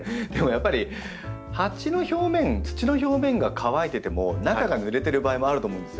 やっぱり鉢の表面土の表面が乾いてても中がぬれてる場合もあると思うんですよ。